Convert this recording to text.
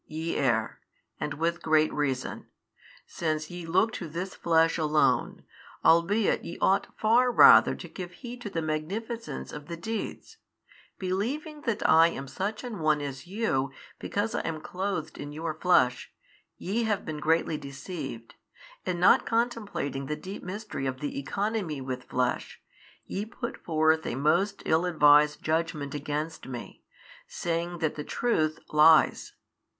ye err, and with great reason, since ye look to this flesh alone, albeit ye ought far rather to give heed to the magnificence of the deeds: believing that I am such an one as you because I am clothed in your flesh, ye have been greatly deceived, and not contemplating the deep mystery of the Economy with Flesh, ye put forth a most ill advised judgment against Me, saying that the Truth lies.